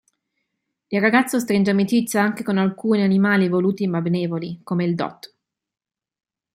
Il ragazzo stringe amicizia anche con alcuni animali evoluti ma benevoli, come il Dott.